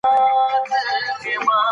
د نورو درد ژر اغېز کوي.